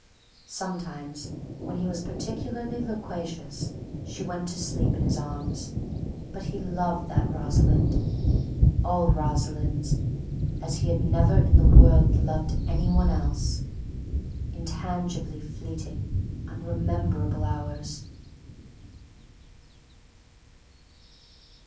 Sometimes, when he was particularly loquacious, she went to sleep in his arms, but he loved that Rosalind—all Rosalinds—as he had never in the world loved any one else. Intangibly fleeting, unrememberable hours.